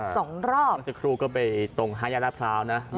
สองรอบเจ้าครูก็ไปตรงฮายาลาภราวนะอืม